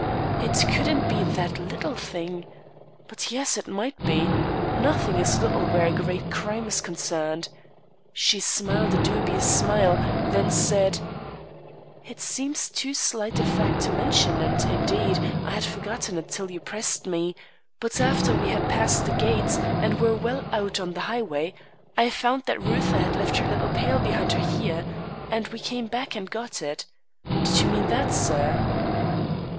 It couldn't be that one little thing But yes, it might be. Nothing is little where a great crime is concerned. She smiled a dubious smile, then she said: "It seems too slight a fact to mention, and, indeed, I had forgotten it till you pressed me, but after we had passed the gates and were well out on the highway, I found that Reuther had left her little pail behind her here, and we came back and got it. Did you mean that, sir?"